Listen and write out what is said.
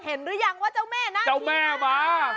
เห็นรึยังว่าเจ้าแม่หน้าขี้มา